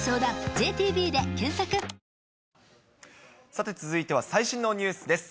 さて続いては、最新のニュースです。